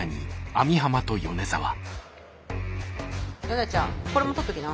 ヨネちゃんこれも撮っときな。